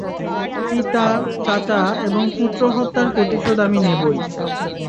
পিতা, চাচা এবং পুত্র হত্যার প্রতিশোধ আমি নেবই।